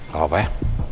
gak apa apa ya